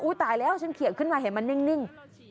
ตายแล้วฉันเขียงขึ้นมาเห็นมันนิ่ง